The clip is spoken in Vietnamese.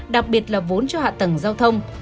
đặc biệt là vốn cho hạ tầng giao thông